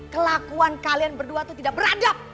kelakuan kalian berdua itu tidak beradab